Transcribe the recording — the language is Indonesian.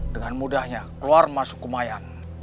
dengan mudahnya keluar masuk kemayan